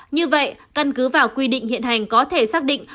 như vậy căn cứ vào quy định hiện hành có thể xác định